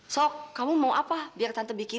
sok kamu mau apa biar tante bikin